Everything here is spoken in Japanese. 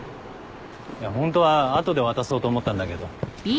いやホントは後で渡そうと思ったんだけど。